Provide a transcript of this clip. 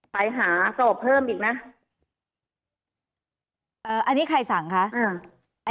ไปหาสอบเพิ่มอีกนะอันนี้ใครสั่งคะอ่า